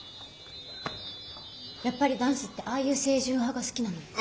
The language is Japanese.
やっぱり男子ってああいう清純派が好きなの？